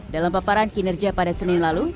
dalam paparan kinerja pada senin lalu